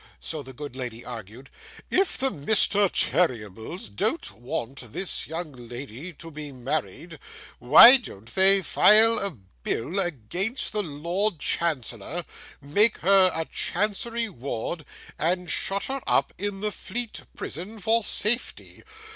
so the good lady argued; 'if the Mr. Cheerybles don't want this young lady to be married, why don't they file a bill against the Lord Chancellor, make her a Chancery ward, and shut her up in the Fleet prison for safety?